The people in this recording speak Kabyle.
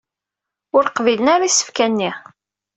Ur qbilent ara isefka-nni.